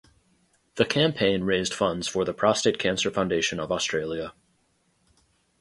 The campaign raised funds for the Prostate Cancer Foundation of Australia.